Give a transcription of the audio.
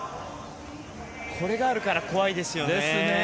これがあるから怖いですよね。